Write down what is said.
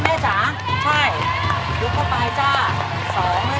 กี่สามแล้วลูกครับทุกคน